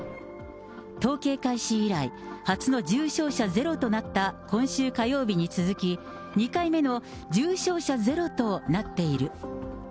統計開始以来、初の重症者ゼロとなった今週火曜日に続き、２回目の重症者ゼロとなっている。